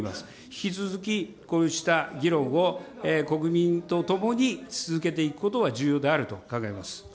引き続き、こうした議論を国民と共に続けていくことは重要であると考えます。